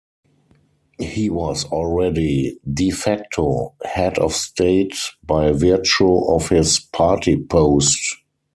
He was already "de facto" head of state by virtue of his party post.